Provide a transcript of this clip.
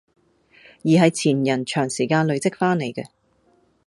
而係前人長時間累積返嚟嘅